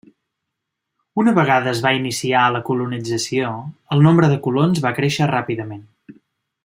Una vegada es va iniciar la colonització, el nombre de colons va créixer ràpidament.